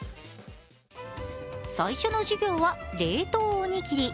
最初の授業は冷凍おにぎり。